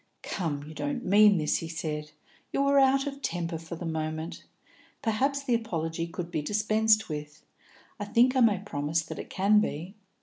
"Come, you don't mean this," he said. "You are out of temper for the moment. Perhaps the apology could be dispensed with; I think I may promise that it can be.